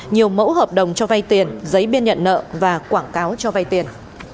nhiều mẫu hợp đồng cho vay tiền giấy biên nhận nợ và quảng cáo cho vay tiền